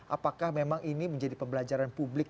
apakah memang ini menjadi pembelajaran publik